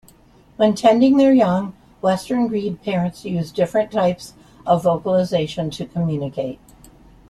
When tending their young, Western grebe parents use different types of vocalization to communicate.